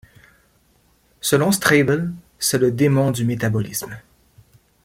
Selon Strebel, c'est le démon du métabolisme.